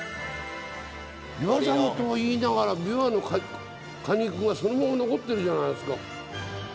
びわジャムと言いながらびわの果肉がそのまま残ってるじゃないですか。